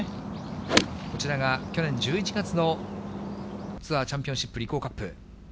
こちらが、去年１１月のツアーチャンピオンシップ、リコーカップ。